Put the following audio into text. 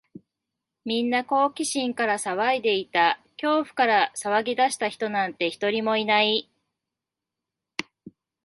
みんな好奇心から騒いでいた。恐怖から騒ぎ出した人なんて、一人もいない。